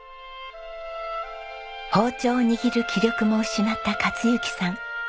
包丁を握る気力も失った克幸さん。